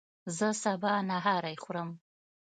زه سبا نهاری خورم